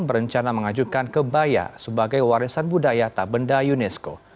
berencana mengajukan kebaya sebagai warisan budaya tak benda unesco